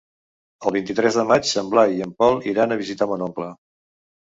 El vint-i-tres de maig en Blai i en Pol iran a visitar mon oncle.